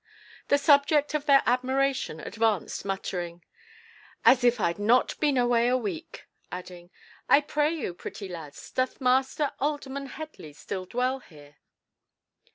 The subject of their admiration advanced muttering, "As if I'd not been away a week," adding, "I pray you, pretty lads, doth Master Alderman Headley still dwell here?"